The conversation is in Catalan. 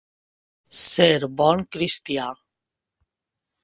Ser bon cristià.